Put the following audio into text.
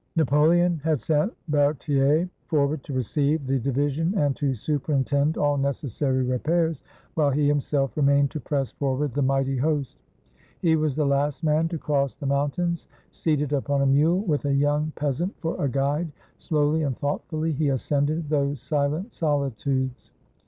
Napoleon had sent Berthier forward to receive the division and to superintend all necessary repairs, while he himself remained to press forward the mighty host. He was the last man to cross the mountains. Seated upon a mule, with a young peasant for a guide, slowly 123 ITALY and thoughtfully he ascended those silent solitudes.